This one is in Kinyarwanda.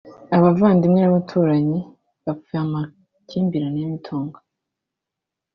abavandimwe n’abaturanyi bapfa amakimbirane y’imitungo